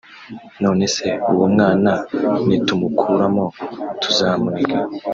“None se uwo mwana nitumukuramo tuzamuniga